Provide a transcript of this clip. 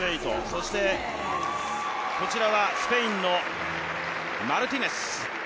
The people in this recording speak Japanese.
そしてこちらはスペインのマルティネス。